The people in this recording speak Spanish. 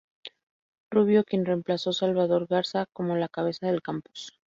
Rubio, quien reemplazó Salvador Garza como la cabeza del campus.